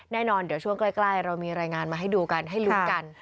แน่นอนเดี๋ยวช่วงใกล้เรามีรายงานมาให้ดูกันให้ลุ้นกัน